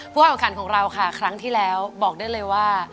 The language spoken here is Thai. แข่งขันของเราค่ะครั้งที่แล้วบอกได้เลยว่า